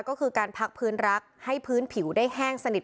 ก็คือการพักพื้นรักให้พื้นผิวได้แห้งสนิท